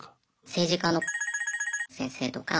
政治家の先生とか。